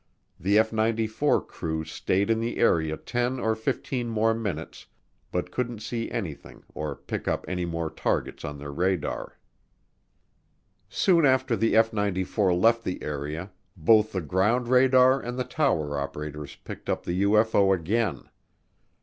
The F 94 crew stayed in the area ten or fifteen more minutes but couldn't see anything or pick up any more targets on their radar. Soon after the F 94 left the area, both the ground radar and the tower operators picked up the UFO again.